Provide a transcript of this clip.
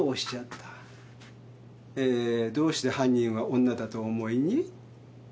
えーどうして「犯人は女だ」とお思いに？